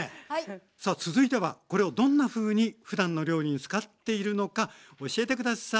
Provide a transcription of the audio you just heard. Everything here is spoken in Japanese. さあ続いてはこれをどんなふうにふだんの料理に使っているのか教えて下さい。